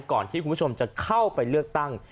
ก่อนที่คุณผู้ชมจะเข้าไปเลือกตั้ง